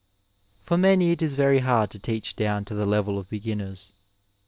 For many it is very hard to teach down to the level of be ginners.